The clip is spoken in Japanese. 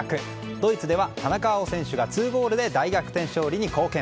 ドイツでは田中碧選手が２ゴールで大逆転勝利に貢献。